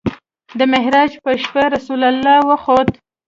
د معراج په شپه رسول الله وخوت.